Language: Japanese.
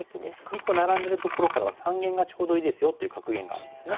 ２個ナラんでるところからは三間がちょうどいいですよっていう格言があるんですね。